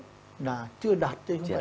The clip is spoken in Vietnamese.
là chưa đạt